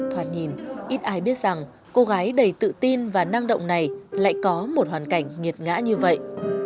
thoạt nhìn ít ai biết rằng cô gái đầy tự tin và năng động này lại có một hoàn cảnh nghiệt ngã như vậy